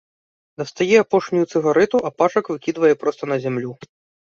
Дастае апошнюю цыгарэту, а пачак выкідвае проста на зямлю.